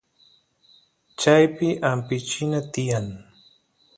chaypi ampichina tiyan